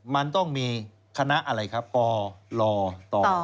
มันต้องมีคณะอะไรครับปลต่อ